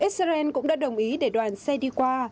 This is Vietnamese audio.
israel cũng đã đồng ý để đoàn xe đi qua